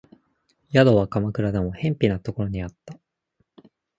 宿は鎌倉でも辺鄙なところにあった